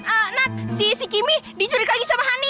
eh nat si kimi dicurig lagi sama hani